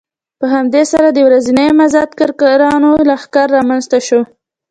په همدې سره د ورځني مزد کارګرانو لښکر رامنځته شو